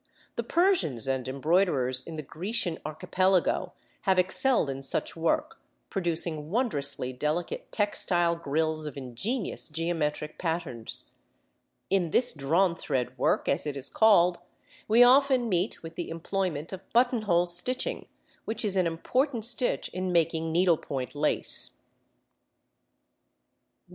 The Persians and embroiderers in the Grecian Archipelago have excelled in such work, producing wondrously delicate textile grills of ingenious geometric patterns. In this drawn thread work, as it is called, we often meet with the employment of button hole stitching, which is an important stitch in making needlepoint lace (Fig. 6). [Illustration: Fig. 6. Button hole Stitching, as used in needlepoint lace.